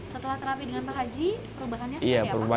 setelah terapi dengan pak haji perubahannya seperti apa